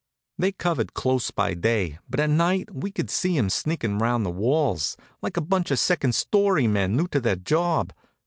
They covered close by day, but at night we could see 'em sneakin' around the walls, like a bunch of second story men new to their job.